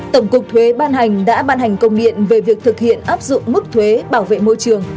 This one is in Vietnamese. tổng cục thuế ban hành đã ban hành công điện về việc thực hiện áp dụng mức thuế bảo vệ môi trường